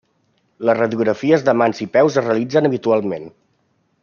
Les radiografies de mans i peus es realitzen habitualment.